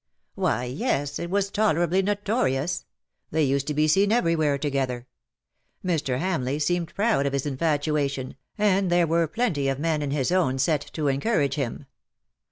^' f^Why yes^ it was tolerably notorious. They used to be seen everywhere together. Mr. Ham leigh seemed proud of his infatuation,, and there were plenty of men in his own set to encourage him.